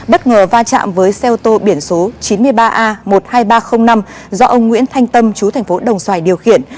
bất ngờ va chạm với xe ô tô biển số chín mươi ba a một mươi hai nghìn ba trăm linh năm do ông nguyễn thanh tâm chú thành phố đồng xoài điều khiển